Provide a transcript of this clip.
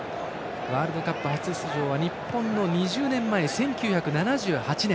ワールドカップ初出場は日本の２０年前、１９７８年。